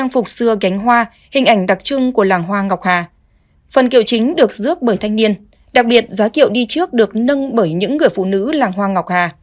phần kiệu chính được dước bởi thanh niên đặc biệt giá kiệu đi trước được nâng bởi những người phụ nữ làng hoa ngọc hà